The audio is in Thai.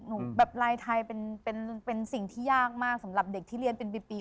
แบบลายไทยเป็นสิ่งที่ยากมากสำหรับเด็กที่เรียนเป็นปี